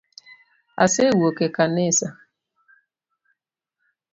Ase wuok e kanisa